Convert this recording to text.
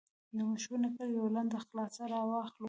د مشهور نکل یوه لنډه خلاصه را واخلو.